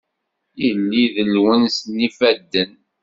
Yelli d lwens n yifadden.